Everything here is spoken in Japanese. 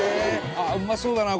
ああうまそうだな！